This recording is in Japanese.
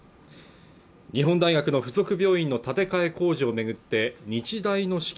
日本大学の付属病院の建て替え工事を巡って日大の資金